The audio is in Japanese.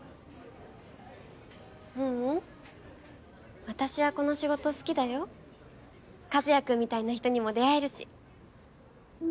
ううん私はこの仕事好きだよ和也くんみたいな人にも出会えるし！